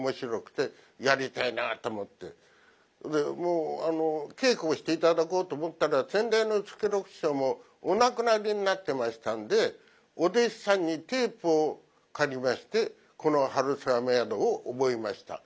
でもう稽古をして頂こうと思ったら先代の助六師匠もお亡くなりになってましたんでお弟子さんにテープを借りましてこの「春雨宿」を覚えました。